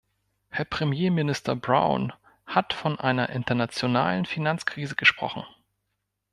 Herr Premierminister Brown hat von einer internationalen Finanzkrise gesprochen.